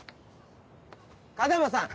風真さん